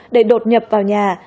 để đột nhập vào nhà